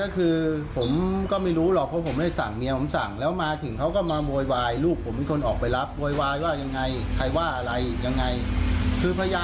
เกรงนี้เขาจะกลับมาทำร้ายอีกนะฮะ